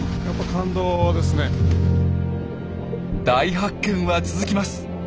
大発見は続きます。